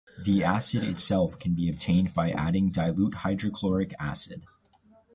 The acid itself can be obtained by adding dilute hydrochloric acid.